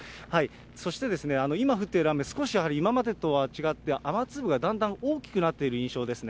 そして今降っている雨、少しやはり今までとは違って、雨粒がだんだん大きくなっている印象ですね。